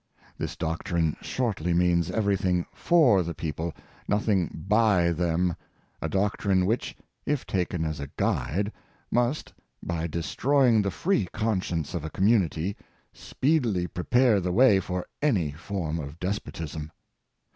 This doc trine shortly means everything y6>r the people, nothing by them, a doctrine which, if taken as a guide, must, by destroying the free conscience of a community, speedily prepare the way for an}^ form of despotism.